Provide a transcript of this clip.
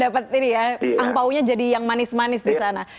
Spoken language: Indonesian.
dapat ini ya angpaunya jadi yang manis manis di sana